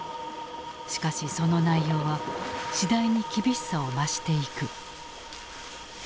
しかしその内容は次第に厳しさを増していく。